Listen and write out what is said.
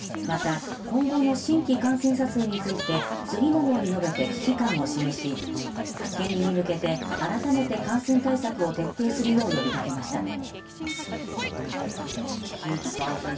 また、今後の新規感染者数について次のように述べて危機感を示し県民に向けて、改めて感染対策を徹底するよう呼びかけました。